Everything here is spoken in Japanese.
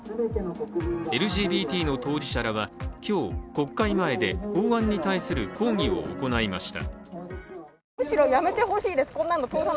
ＬＧＢＴの当事者らは今日、国会前で法案に対する抗議を行いました。